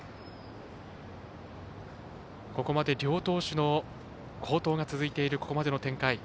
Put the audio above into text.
ここまで両投手の好投が続いているここまでの展開。